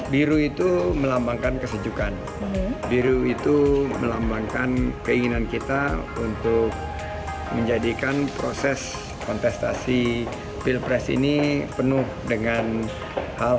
biru itu melambangkan kesejukan biru itu melambangkan keinginan kita untuk menjadikan proses kontestasi pilpres ini penuh dengan hal